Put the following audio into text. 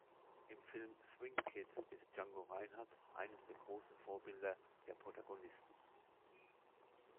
Im Film "Swing Kids" ist Django Reinhardt eines der großen Vorbilder der Protagonisten.